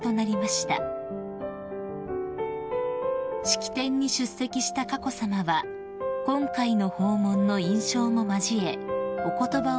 ［式典に出席した佳子さまは今回の訪問の印象も交えお言葉を述べられました］